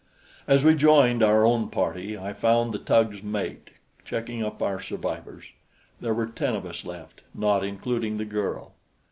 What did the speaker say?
As we joined our own party, I found the tug's mate checking up our survivors. There were ten of us left, not including the girl.